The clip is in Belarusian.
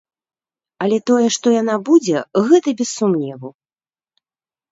Але тое, што яна будзе, гэта без сумневу.